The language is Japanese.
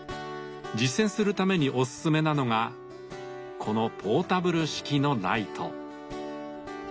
実践するためにおすすめなのがこのポータブル式のライト。